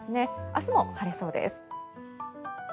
明日も晴れそうです。